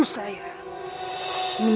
dia orang yang meninggal ini